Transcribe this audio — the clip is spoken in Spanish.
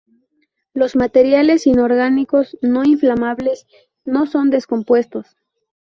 Los materiales inorgánicos no-inflamables no son descompuestos.